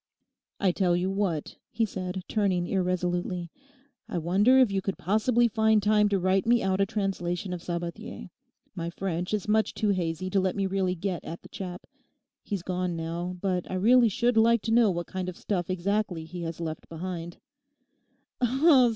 'I tell you what,' he said, turning irresolutely, 'I wonder if you could possibly find time to write me out a translation of Sabathier. My French is much too hazy to let me really get at the chap. He's gone now; but I really should like to know what kind of stuff exactly he has left behind.